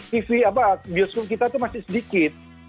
tv apa bioskop kita itu masih sedikit